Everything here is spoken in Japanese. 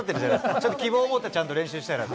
ちょっと希望を持ってちゃんと練習したいなと。